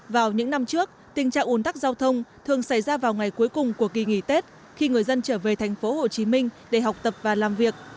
vào những năm trước tình trạng ủn tắc giao thông thường xảy ra vào ngày cuối cùng của kỳ nghỉ tết khi người dân trở về thành phố hồ chí minh để học tập và làm việc